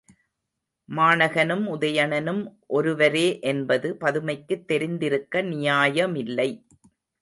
மாணகனும், உதயணனும் ஒருவரே என்பது பதுமைக்குத் தெரிந்திருக்க நியாயமில்லை.